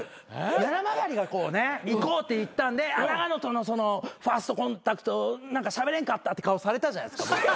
ななまがりがいこうって言ったんで永野とのファーストコンタクトしゃべれんかったって顔されたじゃないですか。